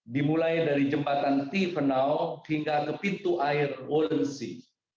dimulai dari jembatan tiefenau hingga ke pintu air wolensea